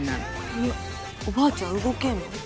えおばあちゃん動けんの？